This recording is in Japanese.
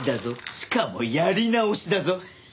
しかもやり直しだぞ。